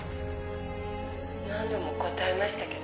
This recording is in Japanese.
「何度も答えましたけど」